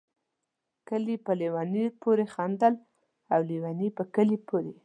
کلي په ليوني پوري خندل ، او ليوني په کلي پوري